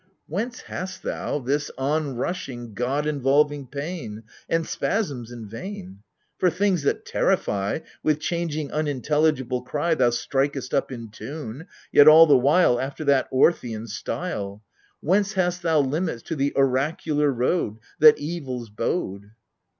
Whence hast thou this on rushing god involving pain And spasms in vain? For, things that terrify, With changing unintelligible cry Thou strikest up in tune, yet all the while After that Orthian style ! Whence hast thou limits to the oracular road, That evils bode